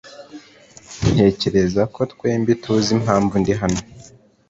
Ntekereza ko twembi tuzi impamvu ndi hano .